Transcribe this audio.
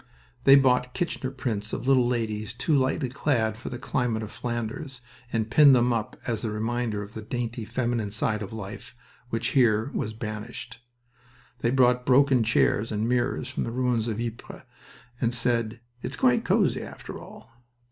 They bought Kirchner prints of little ladies too lightly clad for the climate of Flanders, and pinned them up as a reminder of the dainty feminine side of life which here was banished. They brought broken chairs and mirrors from the ruins of Ypres, and said, "It's quite cozy, after all!"